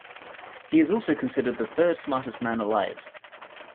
He is also considered the third-smartest man alive.